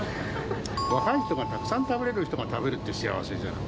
若い人が、たくさん食べれる人が食べるって幸せじゃん。